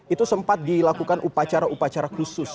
itu sempat dilakukan upacara upacara khusus